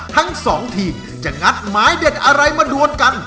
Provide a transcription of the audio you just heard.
ทั้งสองทีมจะงัดหมายเด็ดอะไรมาดวนกัน